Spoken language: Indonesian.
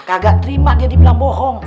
kagak terima dia dibilang bohong